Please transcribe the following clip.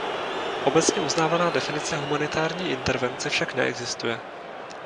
Obecně uznávaná definice humanitární intervence však neexistuje.